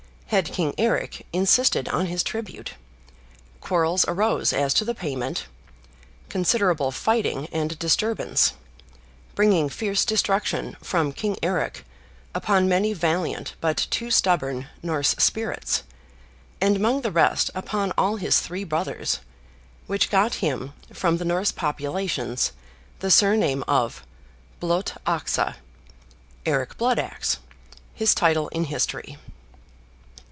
Head King Eric insisted on his tribute; quarrels arose as to the payment, considerable fighting and disturbance, bringing fierce destruction from King Eric upon many valiant but too stubborn Norse spirits, and among the rest upon all his three brothers, which got him from the Norse populations the surname of Blod axe, "Eric Blood axe," his title in history.